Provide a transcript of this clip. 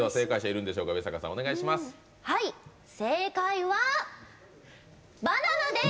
正解は、バナナです！